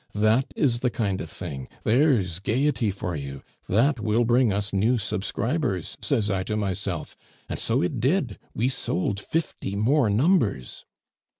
That is the kind of thing! There's gaiety for you! 'That will bring us new subscribers,' says I to myself. And so it did. We sold fifty more numbers."